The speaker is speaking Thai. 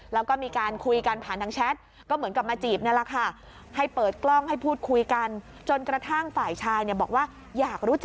แล้วก็มีการคุยกันผ่านทางแชท